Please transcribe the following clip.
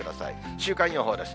週間予報です。